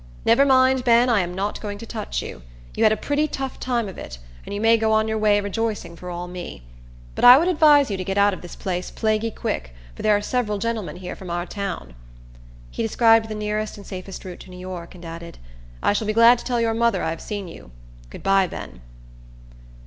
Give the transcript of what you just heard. Never mind, Ben, I am not going to touch you. You had a pretty tough time of it, and you may go on your way rejoicing for all me. But I would advise you to get out of this place plaguy quick, for there are several gentlemen here from our town." He described the nearest and safest route to New York, and added, "I shall be glad to tell your mother I have seen you. Good by, Ben."